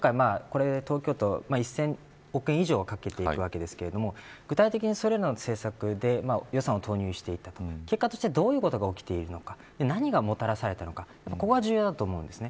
東京都は１０００億円以上かけているわけですが具体的にそれらの政策で予算を投入していった結果としてどういうことが起きてるのか何がもたらされてるのかが重要ですね。